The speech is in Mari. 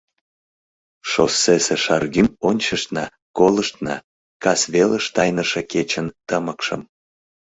Шоссесе шаргӱм ончыштна, колыштна кас велыш тайныше кечын тымыкшым.